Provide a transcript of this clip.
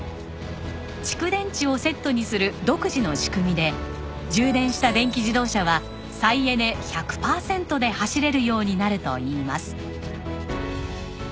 蓄電池をセットにする独自の仕組みで充電した電気自動車は再エネ１００パーセントで走れるようになるといいます。